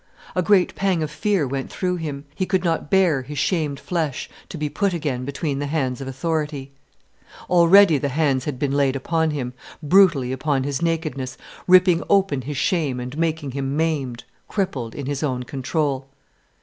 A great pang of fear went through him. He could not bear his shamed flesh to be put again between the hands of authority. Already the hands had been laid upon him, brutally upon his nakedness, ripping open his shame and making him maimed, crippled in his own control.